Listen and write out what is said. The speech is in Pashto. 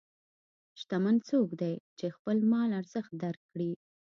شتمن څوک دی چې د خپل مال ارزښت درک کړي.